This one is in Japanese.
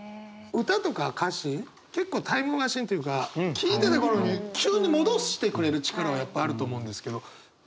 歌とか歌詞結構タイムマシーンというか聴いてた頃に急に戻してくれる力はやっぱあると思うんですけど。